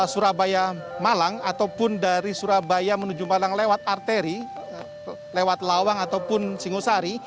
surabaya malang ataupun dari surabaya menuju malang lewat arteri lewat lawang ataupun singosari